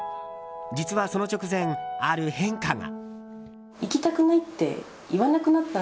実はその直前、ある変化が。